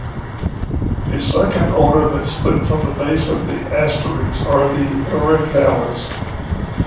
A second order that split from the base of the asterids are the Ericales.